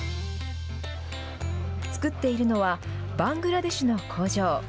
作っているのはバングラデシュの工場。